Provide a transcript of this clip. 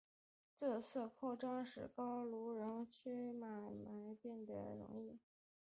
这次扩张使得高卢人侵略罗马变得容易。